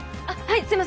すいません。